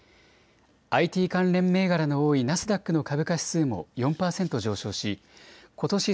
ＩＴ関連銘柄の多いナスダックの株価指数も４％上昇しことし